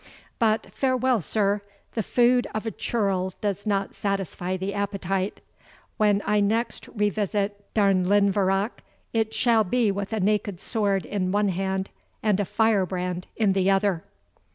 But farewell, sir, the food of a churl does not satisfy the appetite; when I next revisit Darnlinvarach, it shall be with a naked sword in one hand, and a firebrand in the other."